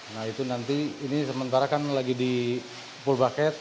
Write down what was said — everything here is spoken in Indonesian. nah itu nanti ini sementara kan lagi di pulbuket